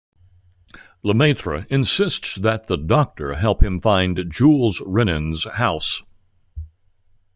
Lemaitre insists that the Doctor help him find Jules Renan's house.